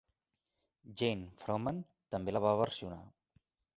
Jane Froman també la va versionar.